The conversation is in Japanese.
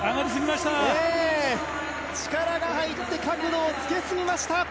力が入って角度をつけすぎました。